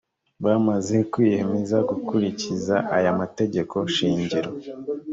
bamaze kwiyemeza gukurikiza aya mategeko shingiro